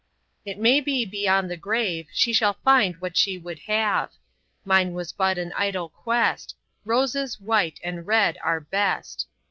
It may be beyond the grave She shall find what she would have. Mine was but an idle quest,— Roses white and red are best!